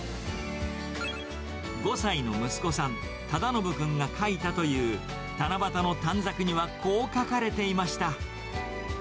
５歳の息子さん、忠宜くんが書いたという、七夕の短冊にはこう書かれていました。